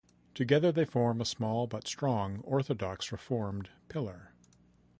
Together they form a small but strong orthodox-reformed pillar.